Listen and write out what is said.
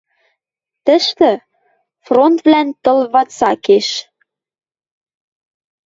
Тӹштӹ, фронтвлӓн тыл вацакеш